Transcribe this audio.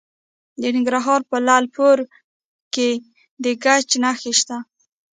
د ننګرهار په لعل پورې کې د ګچ نښې شته.